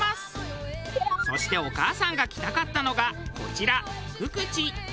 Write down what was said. そしてお母さんが来たかったのがこちら鞠智。